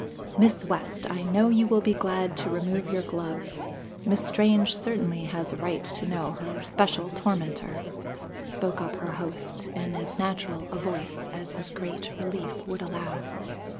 "Miss West, I know you will be glad to remove your gloves; Miss Strange certainly has a right to know her special tormentor," spoke up her host in as natural a voice as his great relief would allow.